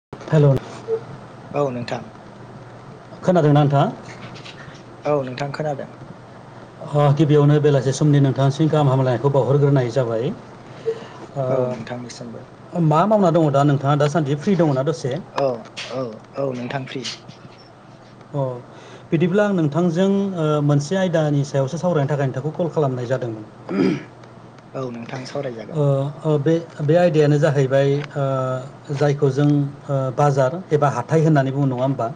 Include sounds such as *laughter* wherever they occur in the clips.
*unintelligible* *inaudible* औ नोंथां खोनादों *unintelligible* औ नोंथां खोनादों अ गिबियावनो बेलासे समनि नोंथांसिम गाहाम हामलायनायखौ बावहरग्रोनाय जाबाय। ओ औ नोंथांनिसिमबो मा मावना दङ दा नोंथाङा दासान्दि फ्रि दङना दसे अ औ औ औ नोंथां फ्रि अ बिदिब्ला आं नोंथांजों मोनसे आयदानि सायावसो सावरायनो थाखाय नोंथांखौ कल खालामनाय जादोंमोन औ नोंथां सावरायजागोन। ओ ओ बे बे आयदायानो जाहैबाय ओ जायखौ जों ओ बाजार एबा हाथाय होननानै बुङो। नङा ओमबा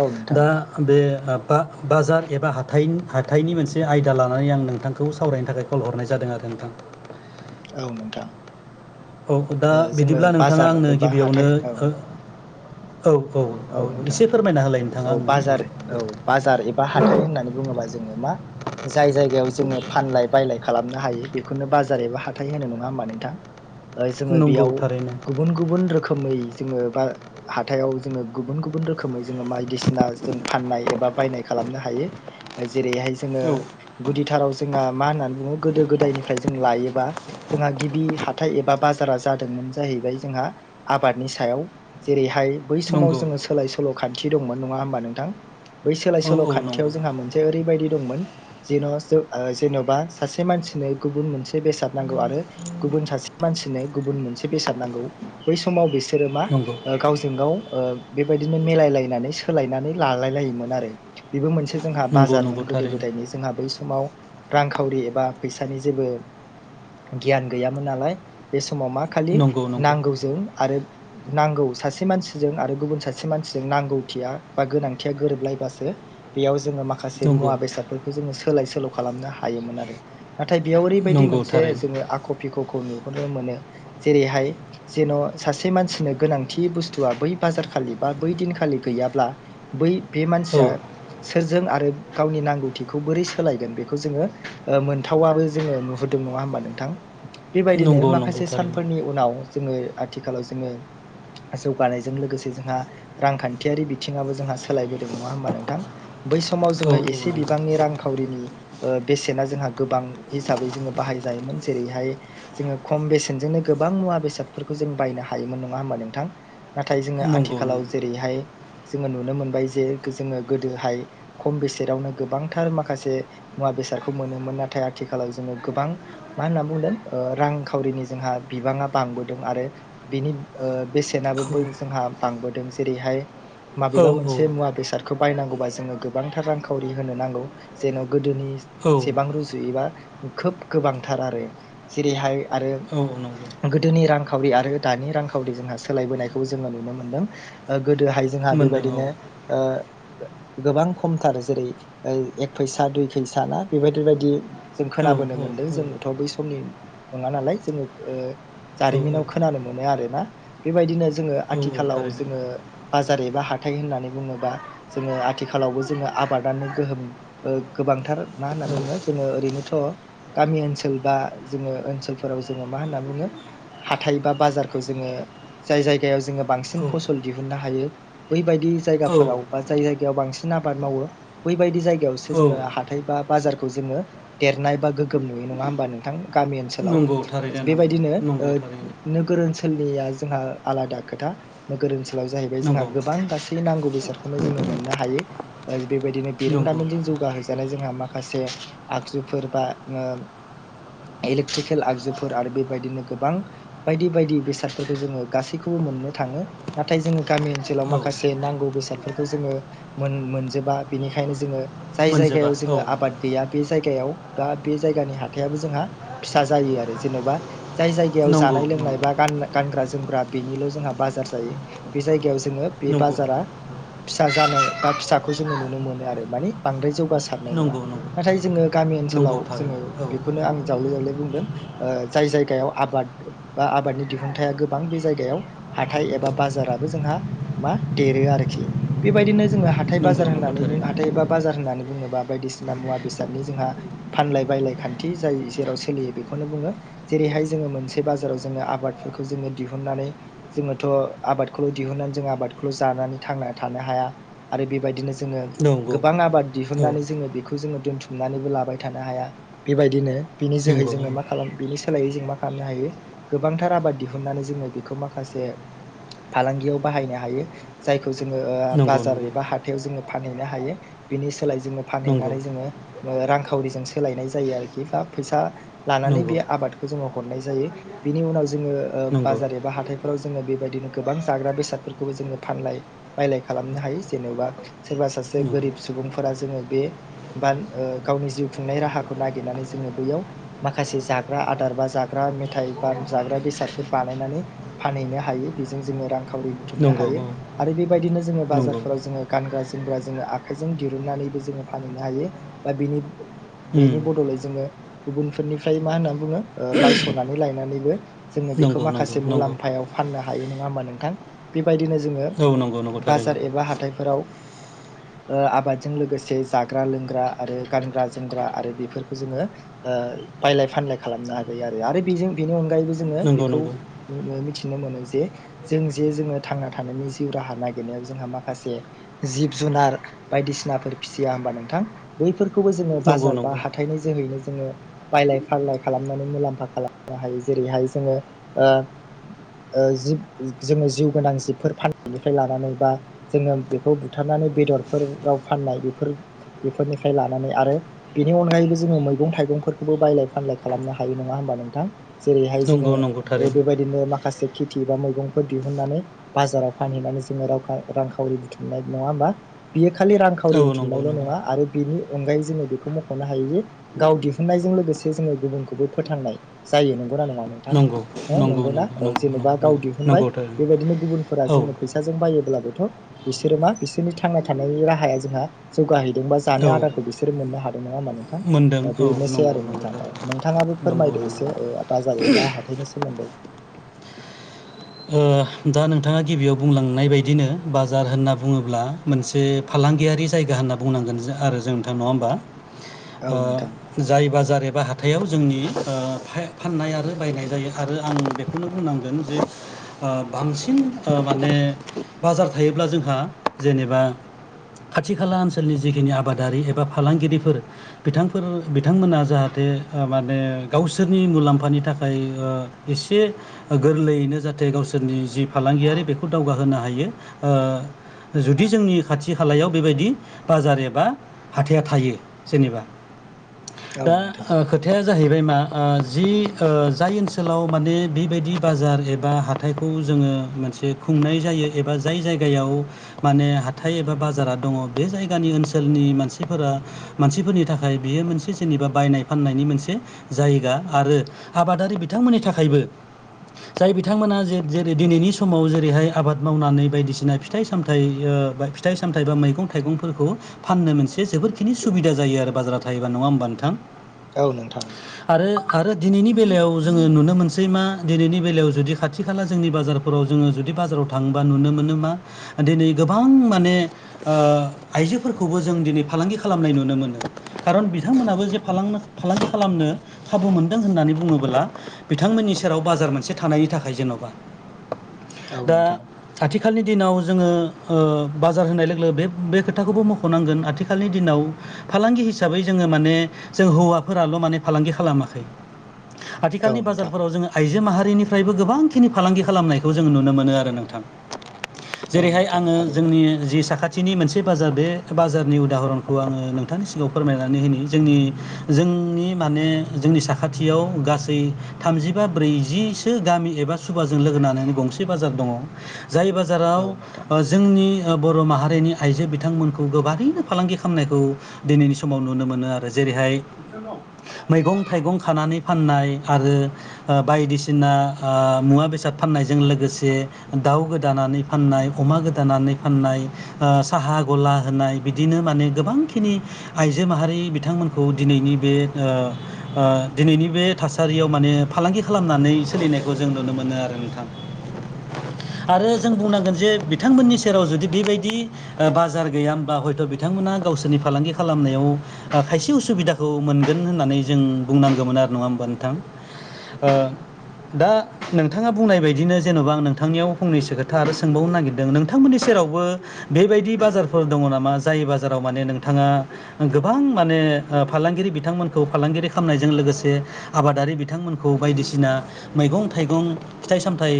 औ नोंथां दा बे ओ बा बाजार एबा हाथाइनि हाथाइनि मोनसे आयदा लानानै आं नोंथांखौ सावरायनो थाखाय कल हरनाय जादों। खोनादों नोंथां औ नोंथां औ दा ओ जोङो बिदिब्ला नोंथाङा बाजार आंनो एबा गिबियावनो हाथाय औ ओ औ औ नोंथां एसे फोरमायना होलाय नोंथाङा औ आंनो बाजार दे। औ बाजार एबा हाथाय होननानै बुङोबा जोङो मा जाय जायगायाव जोङो फानलाय बायलाय खालामनो हायो बेखौनो बाजार एबा हाथाय होनो नङा होमबा नोंथां? जोङो नंगौ बेयाव थारैनो गुबुन गुबुन रोखोमै जोङो बा हाथायाव जोङो गुबुन गुबुन रोखोमै जोङो बायदिसिना जों फाननाय एबा बायनाय खालामनो हायो। जेरैहाय जोङो औ गुदिथाराव जोंहा मा होन्नानै बुङो गोदो गोदायनिफ्राय जों लायोबा जोंहा गिबि हाथाय एबा बाजारा जादोंमोन जाहैबाय जोंहा आबादनि सायाव जेरैहाय बै समाव नंगौ जोङो सोलाय सोल' खान्थि दंमोन नङा होमबा नोंथां? बै सोलाय औ सोल' औ खान्थियाव नंगौ जोंहा मोनसे ओरैबायदि दंमोन। जेन' ज जेन'बा सासे मानसिनो गुबुन मोनसे बेसाद नांगौ आरो गुबुन सासे मानसि मानसिनो गुबुन मोनसे बेसाद नांगौ बै समाव बिसोरो मा नंगौ ओ गावजों गाव ओ बेबायदिनो मेलायलायनानै सोलायनानै लालाय लायोमोन आरो बेबो मोनसे जोंहा नंगौ बाजारमोन नंगौ गोदो थारैनो गोदायनि जोंहा बै समाव रांखावरि एबा फैसानि जेबो गियान गैयामोन नालाय बे समाव मा खालि नंगौ नंगौ नांगौ जों आरो नांगौ सासे मानसि आरो गुबुन सासे मानसिजों नांगौथिया बा गोनांथिया गोरोबलायबो बेयाव जोङो माखासे नंगौ मुवा बेसादफोरखौ जोङो सोलाय सोल' खालामनो हायोमोन आरो। नाथाय बेयाव ओरैबायदि नंगौ मोनसे थारैनो जोङो आख' फिख'खौ नु मोनो जेरैहाय जेन' सासे मानसिनो गोनांथि बुु बै बाजार खालि बा बै दिनखालि गैयाब्ला बै बे औ मानसिया सोरजों आरो गावनि नांगौथिखौ बोरै सोलायगोन बेखौ जोङो मोनथावाबो जोङो नुहोदों नङा। मङा होमबा नोंथां? बेबायदिनो नंगौ नंगौ माखासे थारैनो सानफोरनि उनाव जोङो आथिखालाव जोङो जौगानायजों लोगोसे जोंहा रांखान्थियारि बिथिङाबबो जोंहा सोलायबोदों नङा होमबा नोंथां। बै समाव औ जोङो औ एसे नंगौ बिबांनि रांखावरिनि ओ बेसेना जोंहा गोबां हिसाबै जोङो बाहाय जायोमोन जेरैहाय जोङो खम बेसेनजोंनो गोबां मुवा बेसादफोरखौ जों बायनो हायोमोन नङा होमबा नोंथां नाथाय जोङो नंगौ नंगौ आथिखालाव जेरैहाय जोङो नुनो मोनबाय जे जोङो गोदोहाय खम बेसेादावनो गोबांथार माखासे मुवा बेसादखौ मोनोमोन नाथाय आथिखालाव जोङो गोबां मा होनना बुंदों रांखावरिनि जोंहा बिबा बांदों आरो बिनि ओ औ जोंहा बांबोदों जेरैहाय औ मबेबा औ मोनसे मुवा बेसाद बायनांगौबा जों गोबांथार रांखावरि होनो नांगौ जेन' औ गोदोनिसेबां रु खोब गोबांथार आरो जेरैहाय आरो औ नंगौ गोदोनि रां रांखावरि आरो दानि रांखावरि जोंहा सोलायबायखौबो जोङो नुनो मोनदों। गोदोहाय जोंहा मोनदों औ बेबायदिनो ओ गोबां खमथार जेरै एक फैसा दुइ फैस ना बेबायदि बायदि जों औ खोनाबोनो औ मोन्दों जोंथ' बै समनि नङा नालाय जोङो औ जारिमिनाव खोनानो मोनो आरो ना बेबायदिनो जोंङो औ औ आथिखालाव थारैनो औ जोंङो बाजार एबा ह हाथाय होननानै बुङोबा जोङो आथिखालावबो जोङो आबादारिनि गोहोम गोबांथार मा होनना बुङो जोङो ओरैनोथ' गामि ओनसोल बा जोङो ओनसोलफोराव जोङो मा होनना बुङो हााइ बा बाजारखौ जोङो जाय जायगायाव जोङो बांसिन फसल दिहुननो हायो बैबायदि औ जायगाफोराव बा जाय जायगायाव बांसिन आबाद मावो बैबायदि जाय बेयावसो औ जोंङो हाथाय बा बाजारखौ जोंङो देरनाय बा गोगोम नुयो नङा होमबा नोंथां गामि ओनसोल नंगौ थारैनो बेबायदिनो नंगौ थारैनो नोगोर ओनसोलनि जोंहा आलादा खोथा नोगोर ओनसोलाव जाहैबाय जोंहा नंगौ गोबां गासै नांगौ बेसादखौनो जोङो मोननो हायो बेबायदिनो नंगौ बिरोंदामिनजों जौ जालाय जोंहा माखासे आगजुफोर बा इलेक्ट्रिकेल आगजुफोर आरो बेबायदिनो गोबां बायदि बायदि बेसाद जोङो गासैखौबो मोननो थाङो नाथाय जोङो गामि ओनसोलाव औ माखासे नांगौ बेसादफोरखौ जोङो मोनजोबा बेनिखायनो जोङो जाय मोनजोबा जायगायाव औ जोङो आबाद गैया बे जायगायाव बा बे जायगानि हाथायाबो जोंहा फिसा जायो आरो जेन'बा जाय जायगायाव नंगौ जानाय लोंनाय नंगौ बा गानग्रा जोमग्रा बेनिल' जोंहा बाजार जायो बे जायगायाव बे नंगौ बाजारा फिसा जानाय बा फिसाखौ जों नुनोमोनो आरो माने बांद्राय जौ जगासारनाय नङा नंगौ नंगौ नाथाय जोङो गामि नंगौ ओनसोलाव जोङो थारैनो औ बेखौनो आं जावले जावले बुंदों। ओ जाय जायगायाव आबाद बा आबादनि दिहुनथाइ हाथाइ गोबां बे जायगायाव हाथाय एबा बाजाराबो जोंहा मा देरो आरोखि बेबायदिनो जोङो हथाय नंगौ बाजार नंगौ होननानै बुं थारैनो हाथाय बबा बाजार होननानैुङोबा बायदिसिना मुवा बेसादनि जोंहा फानलाय बायलाय खान्थि जाय जेराव सोलियो बेखौनो बुं जेरैहाय जोंङो मोनसे बाजाराव जोंङो आबादफोरखौ जोङो दिहुननानै जोङोथ' आबादखौल' दिहुननानै जों आबादखौल' जानानै थांना थानो हाया आरो बेबायदिनो जोङो नंगौ गोबां आबाद औ दिहुननानै जोङो बेखौ जोङो दोनथुमनानैबो लाबाय थानो हाया बेबायदिनो बिनि जोहै नंगौ औ जोङो मा खालाम बिनि सोलायै मा खालामनो हायो गोबांथार आबाद दिहुननानै जोङो बेखौ माखासे फालांगियाव बाहायनो हायो जाय खौ जोङो नंगौ बाजार नंगौ एबा हाथायाव जोङो फानहैनो हायो बिनि सोलाय जोङो नंगौ फानहैनानै जोङो रांखावरिजों सोलायनाय जायो आरोखि बा फैसा लानानै नंगौ बे आबाद जोङो हरनाय जायो बिनि उनाव जोङो नंगौ औ बाजार एबा हाथाइ। फोराव जोंङो बेबायदिनो गोबां जाग्रा बेसादफोरखौबो जोङो फानाय बायलाय खालामनो हायो जेनबा सोरबा गोरिब सुबुंफोरा जोङो बे ब गावनि जिउ खुंनाय राहाखौ नागिरनानै जोङो माखासे जाग्रा आदार बा जाग्रा मेथाइ बा जाग्रा बेसाद बानायनानै फानहैनो हायो बेजों जोङो रांखावरि बुथुमनो हायो। आरो बेबायदिनो जोङो नंगौ बाजारफोराव जोङो गानग्रा जोमग्रा जोङो आखाइजों दिरुननानैबो जोङो फानहैनो हायो। बा बिनि बेनि उम बदलै जोङो गुबुनफोरनिफ्राय मा होनना बुङो बायस'नानै लायनानैबो जोङो बेखौ नंगौ नंगौ माखासे नंगौ मुलाम्फायाव फाननो हायो नङा होमबा नोंथां बेबायदिनो जोङो। औ नंगौ नंगौ थारैनो बाजार एबा हाथायफोराव *inaudible* ओ आबादजों लोगोसे जाग्रा लोंग्रा आरो गानग्रा जोमग्रा आरो बेफोरखौ जोङो ओ बायलाय फानलाय खालामनो हागायो आरो आरो बेजों बेनि अनगायैबो जोङो नंगौ बेखौ नंगौ मिथिनो मोनो। जे जों जे जोङो थांना थानायनि जिउ राहा नागिरनायाव जोंहा माखासे जिब जुनार बायदिसिनाफोर फिसिया होमबा नोंथां बैफोरखौबो जोङो नंगौ बाजार बा हाथाइनि जोहैनो जोङो बायलाय फारलाय खालामनानै मुलाम्फा खालामनो हायो जेरैहाय जोङो ओ जिब जोङो जिउ गोनां जिबफोर फाननायनिफ्राय लानानै बा जोङो बेखौ बुथारनानै। माने बिथिंफोर गाव फाननाय बेफोर बेफोरनिफ्राय लानानै आरो बेनि अनगायैबो जोंङो थाइगंफोरखौबो बायलाय फानलाय खालामनो हायो नङा होमबा नोंथां? जेरैहाय जोङो नंगौ नंगौ नंगौ थारैनो बेबायदिनो माखासे खेथि बा मैगंफोर दिहुननानै बाजाराव फानहैनानै जोङो रां रांखावरि बुथुमनाय नङा होमबा बे खालि रांखावरि औ नंगौ बुथुमनायल' नंगौ नङा आरो बिनि अनगायै जोङो बेखौ मख'नो हायो जे गाव दिहुननायजों लोगोसे जोङो गुबुनखौबो फोथांनाय जायो। नंगोना‌ नङा नोंथां? नंगौ हो नंगौ ना नंगौ जेनेबा गाव नंगौ दिहुनबाय नंगौ थारैनो बेबायदिनो गुबुनफोरा औ जोंनो फैसाजों बाय होमब्लाबोथ बिसोरो मा बिसोरनि थांना थानायनि राहाया जोंहा जौगा औ जानो आदारखौ बिसोर मोननो हादों नङा होमबा? नोंथां मोनदों औ बेनोसै नंगौ आरो नंगौ नोंथां थारैनो नोंथाङाबो नंगौ फोरमायदो नंगौ एसे बा जायोबा हाथाइनोसै *inaudible* ओ दा नोंथाङा गिबियाव बुंलांनाय बदिनो बाजार होनना बुङोब्ला मोनसे फालांगियारि जायगा होनना बुंनांगोन आरो जों नोंथां नङा होमबा औ नोंथां जाय ब जार बा हाथायाव जोंनि ओ‌ फाननाय आरो बायनाय जायो आरो आं बेखौनो बुंनांगोन जे ओ बांसिन माने बाजार थायोब्ला जोंहा जेनेबा खाथि खाला ओनसोलनि जिखिनि आबादारि एबा फालांगिरिफोर बिथांफोर बिथांमोना जाहाथे माने गावसोरनि मुलाम्फानि थाखाय ओ एसे गोरलैयैनो जाथे जाहाथे गावसोरनि जि फालांगियारि बेखौ दावगाहोनो हायो ओ जुदि जोंनि खाथि खाथि खालायाव बेबायदि बाजार एबा हाथाइया थायो जेनेबा औ दा नोंथां खोथाया जाहैबाय मा ओ जि ओ जाय ओनसोलाव ओनसोलाव माने बेबायदि बाजार एबा हाथाइखौ जोङो मोनसे खुंनाय जायो एबा जाय जायगायाव माने हाथाइ एबा बाजारा दङ बे जायगानि ओनसोलनिफोरा मानसिफोरनि थाखाय बियो मोनसे जेनेबा बायनाय फाननायनि मोनसे जायगा आरो आबादारि बिथांमोननि थाखायबो जाय बिथांमोना जे जेरै दिनैनि समाव जेरैहाय आबाद मावनानै बायदिसिना फिथाइ सामथाइ ओ फिथाइ सामथायाइ बा मैगं थाइगंफोरखौ फाननो मोनसे जोबोरखिनि सुबिदा जायो आरो बाजाराव थायोबा नङा होमबा नोंथां? औ नोंथां आरो आरो दिनैनि बेलायाव जोङो नुनो मोनसै मा दिनैनि बेलायाव जुदि खाथि खाला जोंनि बाजारफोराव जोङो जुदि बाजाराव थांङोबा नुनो मोन मा दिनै गोबां माने आइजोफोरखौबो जों दिनै फालांगि खालामनाय नुनो मोनो खारन बिथांमोनाबो जे फालांगि फालांगि खालामनो खाबु मोनदों होननानै बुङोब्ला बिथांमोननि सेराव बाजार मोनसे थानायनि थाखाय जेन'बा औ दा नोंथां आथिखालनि दिनाव जोङो बाजार होनाय लोगो बे बे खोथाखौबो मख'नांगोन आथिखालनि दिनाव फालांगि हिसाबै जोङो माने जों हौवाफोराल' माने फालांगि खालामाखै आथिखालनि औ नोंथां बाजारफोराव जोङो आइजो माहारिनि निफ्रायबो गोबांखिनि फालांगि खालामनायखौ जों नुनो मोनो आरो नोंथां औ जेरैहाय नोंथां आङो जोंनि थारैनो जि साखाथि थिनि मोनसे बाजार बे बाजारनि उदाहरनखौ आङो नोंथांनि सिगाङाव फोरमायनानै होनि जोंनि जों जोंनि माने जोंनि साखाथियाव गासै थामजिबा ब्रैजि गामि एबा सुबाजों लोगो नानानै गंसे बाजार दङ जाय बाजाराव औ नोंथां जोंनि बर' माहारिनि आइजो बिथांमोनखौ गोबारैनो फालांगि खालामनायखौ दिनैनि समाव नुनो मोनो आरो जेरैहाय मैगं थाइगं खानानै फाननाय आरो बायदिसिना बायदिसिना मुवा बेसाद फाननायजों लोगोसे दाउ गोदानानै फाननाय अमा गोदानानै फाननाय साहा गला होनाय बिदिनो माने गोबांखिनि आइजो माहारि बिथां बिथांमोनखौ दिनैनि बे दिनैनि बे थासारियाव माने फालांगि खालामनानै सोलिनायखौ जों नुनो मोनो आरो नोंथां आरो जों बुंनांगोन जे बिथांमोननि सेराव जुदि बेबायदि बाजार गैया मोनबा हयथ' बिथांमोना गावसोरनि फालांगि खालामनायाव खायसे उसुबिदाखौ मोनगोन होन्नानै जों बुंनांगोमोन आरो नङा होमबा नोंथां दा नोंथाङा बुंनाय बायदिनो जेन'बा आं नोंथांनियाव फंनैसो खोथा आरो सोंबावनो नागिरदों नोंथांमोननि सेरावबो बेबायदि बाजारफोर दङ नामा जाय बाजाराव माने नोंथाङा गोबां माने फालांगिरि बिथांमोनखौ फालांगिरि खालामनायजों लोगोसे आबादारि बिथांमोनखौ बायदिसिना मैगं थाइगं फिथाइ सामथाइ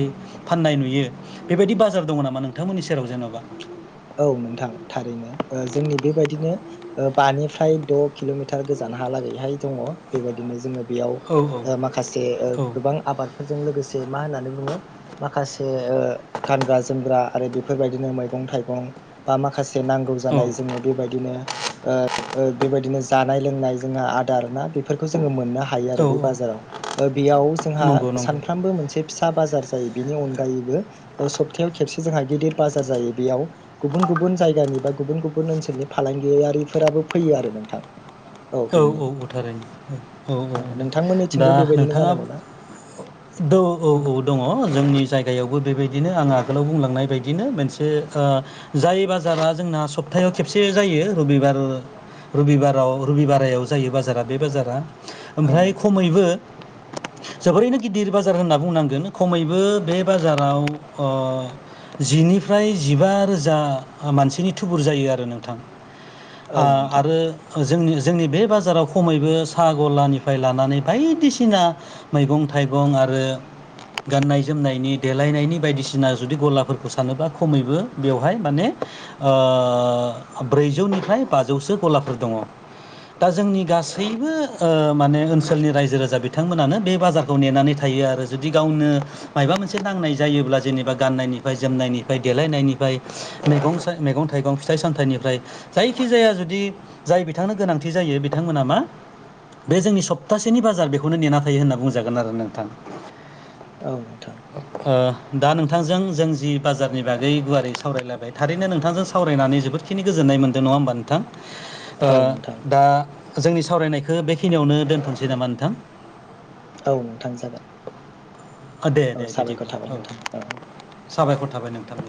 फाननाय नुयो बेबायदि बाजार दङ नामा नोंथांमोननि सेराव जों *unintelligible* औ नोंथां थारैनो जोंनि बेबायदिनो बानिफ्राय द' किल'मिटार गोजान हा लागैहाय दङ बेबायदिनो जोङो बेयाव औ औ माखासे औ गोबां आबादफोरजों लोगोसे मा होननानै बुङो माखासे गानग्रा जोमग्रा आरो बेफोरबायदिनो मैगं थाइगं बा माखासे नांगौ औ जानाय जोङो बेबायदिनो बेबायदिनो जानाय लोंनाय जोंहा आदार ना बेफोरखौ जोङो मोननो हायो थायो आरो औ बे औ बाजाराव ओ बेयाव जोंहा नंगौ नंगौ सानफ्रामबो मोनसे फिसा बाजार जायो बेनि अनगायैबो सप्तायाव खेबसे जोंहा गेदिर बाजार जायो बेयाव गुबुन गुबुन जायगानिफाय गुबुन गुबुन ओनसोलनि फालांगियारिफोराबो फैयो आरो नोंथां औ औ औ थारैनो औ औ औ दा नोंथांमोननिथिंबो बेबायदिनो नोंथाङा जानांगौ ना द औ औ दङ जोंनि जायगायावबो बेबायदिनो आंहा आगोलाव बुंलांनाय बायदिनो मोनसे जाय बाजारा जोंना सप्तायाव खेबसे जायो रबिबार रबिबाराव रबिबारायाव जायो बाजारा बे बाजारा औ ओमफ्राय खमैबो जोबोरैनो गिदिर बाजार होनना बुंनांगोन खमैबो बे बाजाराव जिनिफ्राय जिबा रोजा मानसिनि थुबुर जायो आरो नोंथां औ नोंथां आरो जों जोंनि बे बाजाराव खमैबो साहा गलानिफ्राय लानानै बायदिसिना मैगं थाइ थाइगं आरो गाननाय जोमनायनि देलायनायनि बायदिसिना जुदि गलाफोरखौ सानोबा खमैबो बेवहाय माने ब्रैजौनिफ्राय बाजौसो गलाफोर दङ दा जोंनि गासैबो माने ओनसोलनि रायजो राजा बिथांमोनानो बे बाजारखौ नेनानै थायो आरो आरो जुदि गावनो मायबा मोनसे नांनाय जायोब्ला जेनेबा गाननायनिफ्राय जोमनायनिफ्राय देलायनायनिफ्राय मैगं थाइगं फिथाइ सामथाइनिफ्राय जायखि जाया जुदि जाय बिथांनो गोनांथि जायो बिथांमोना मा बे जोंनि सप्तासेनि बाजार बेखौनो नेना थायो होनना बुंजागोन आरो नोंथां औ नोंथां आ दा नोंथांजों जों जि बाजारनि बागै गुवारै सावरायलायबाय थारैनो नोंथांजों सावरायनानै जोबोदखिनि गोजोननाय मोनदों नङा होनबा नोंथां ओ औ नोंथां दा जोंनि सावरायनायखो बेखिनियावनो दोनथ'नोसै नामा नोंथां औ नोंथां जागोन दे औ दे साबायखर बिदिब्ला थाबाय औ नोंथां औ साबायखर थाबाय नोंथां